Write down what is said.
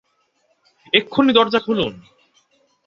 এক্ষুণি দরজা খুলুন।